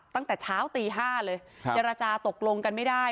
ตั้งแต่เช้าตี๕เลยเจรจาตกลงกันไม่ได้